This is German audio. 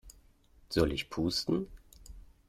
Soll ich pusten?